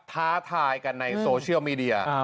ท้าทายกันในโซเชียลมีเดีย